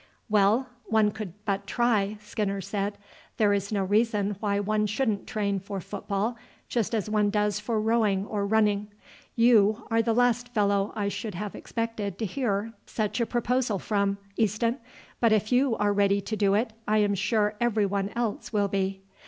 "Well, one could but try," Skinner said. "There is no reason why one shouldn't train for football just as one does for rowing or running. You are the last fellow I should have expected to hear such a proposal from, Easton, but if you are ready to do it I am sure every one else will be."